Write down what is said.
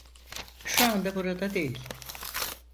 Şu anda burada değil.